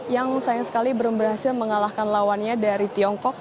yang sayang sekali belum berhasil mengalahkan lawannya dari tiongkok